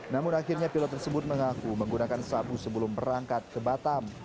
namun akhirnya pilot tersebut mengaku menggunakan sabu sebelum berangkat ke batam